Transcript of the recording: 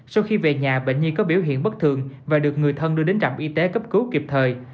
sau khi về nhà bệnh nhi có biểu hiện bất thường và được người thân đưa đến trạm y tế cấp cứu kịp thời